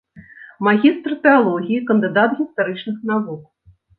Магістр тэалогіі, кандыдат гістарычных навук.